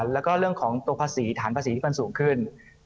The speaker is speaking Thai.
แล้วก็เรื่องของตัวภาษีฐานภาษีที่มันสูงขึ้น